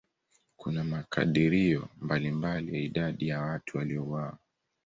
Kuna makadirio mbalimbali ya idadi ya watu waliouawa.